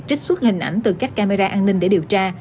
trích xuất hình ảnh từ các camera an ninh để điều tra